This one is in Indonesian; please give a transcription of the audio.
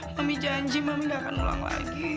mami janji mami nggak akan ulang lagi